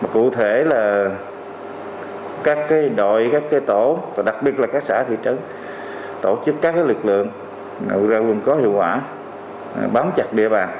cụ thể là các đội các tổ và đặc biệt là các xã thị trấn tổ chức các lực lượng ra quân có hiệu quả bám chặt địa bàn